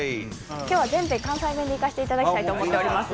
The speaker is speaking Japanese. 今日は全編関西弁でいかせていただきたいと思っております。